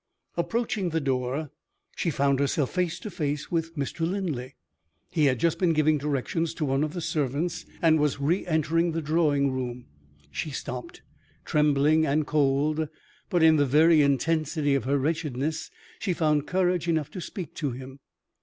Approaching the door, she found herself face to face with Mr. Linley. He had just been giving directions to one of the servants, and was re entering the drawing room. She stopped, trembling and cold; but, in the very intensity of her wretchedness, she found courage enough to speak to him.